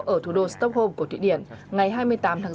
ở thủ đô stockholm của thụy điển ngày hai mươi tám tháng bốn